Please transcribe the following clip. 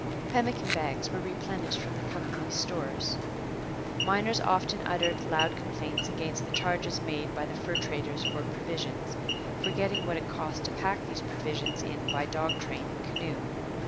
Pemmican bags were replenished from the company's stores. Miners often uttered loud complaints against the charges made by the fur traders for provisions, forgetting what it cost to pack these provisions in by dog train and canoe.